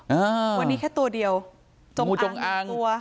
อ่าวันนี้แค่ตัวเดียวจงงูจงอางตัว